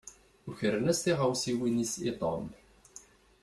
Ukren-as tiɣawsiwin-is i Tom.